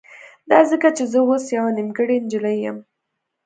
دا ځکه چې زه اوس يوه نيمګړې نجلۍ يم.